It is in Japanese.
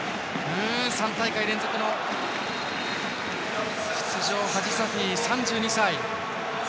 ３大会連続の出場ハジサフィ、３２歳。